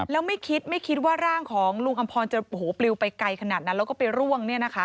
แล้วไม่คิดไม่คิดว่าร่างของลุงอำพรจะปลิวไปไกลขนาดนั้นแล้วก็ไปร่วง